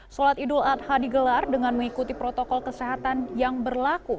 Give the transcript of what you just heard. sholat idul adha digelar dengan mengikuti protokol kesehatan yang berlaku